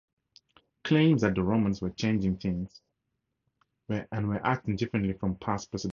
Claims that the Romans were changing things and were acting differently from past precedents.